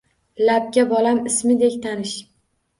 Labga bolam ismidek — tanish.